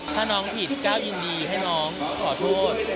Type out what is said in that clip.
ถ้าน้องผิดก็ยินดีให้น้องขอโทษ